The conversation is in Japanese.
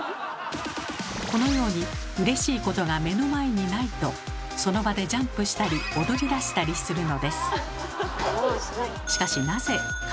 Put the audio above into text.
このようにうれしいことが目の前にないとその場でジャンプしたり踊りだしたりするのです。